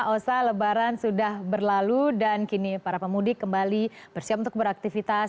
osa lebaran sudah berlalu dan kini para pemudik kembali bersiap untuk beraktivitas